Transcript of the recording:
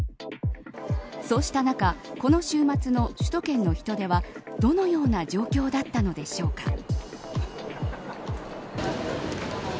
そうした中この週末の首都圏の人出はどのような状況だったのでしょうか。